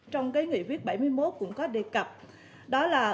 trong cái nghỉ viết bảy mươi một cũng có đề cập đó là